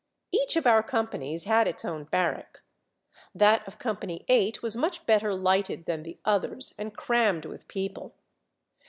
Each of our companies had its own barrack. That of Company Eight was much bet ter lighted than the others, and crammed with people.